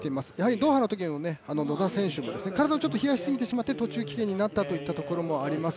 ドーハのときの野田選手も体をちょっと冷やしすぎて、途中棄権になったということもあります。